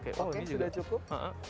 oke sudah cukup